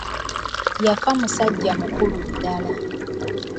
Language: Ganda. Yafa musajja mukulu ddala.